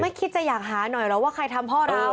คิดจะอยากหาหน่อยหรอกว่าใครทำพ่อเรา